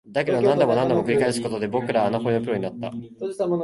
だけど、何度も何度も繰り返すことで、僕らは穴掘りのプロになった